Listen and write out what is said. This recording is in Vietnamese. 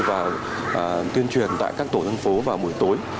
và tuyên truyền tại các tổ dân phố vào buổi tối